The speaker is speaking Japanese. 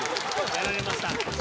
やられました。